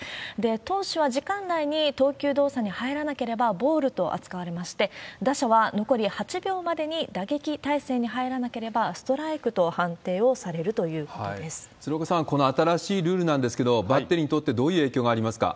投手は時間内に投球動作に入らなければボールと扱われまして、打者は残り８秒までに打撃態勢に入らなければストライクと判定を鶴岡さん、この新しいルールなんですけど、バッテリーにとって、どういう影響がありますか？